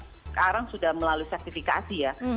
sekarang sudah melalui sertifikasi ya